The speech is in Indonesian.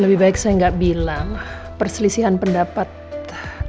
lebih baik saya gak bilang perselisihan pendapat dengan buku ini